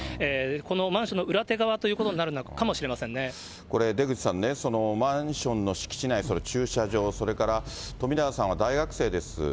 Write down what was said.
このマンションの裏手側というこ出口さんね、そのマンションの敷地内、駐車場、それから冨永さんは大学生です。